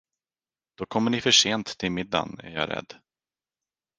Då kommer ni för sent till middagen, är jag rädd.